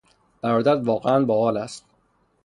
برادرت واقعا با حال است!